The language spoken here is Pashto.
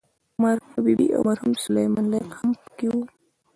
مرحوم حبیبي او مرحوم سلیمان لایق هم په کې وو.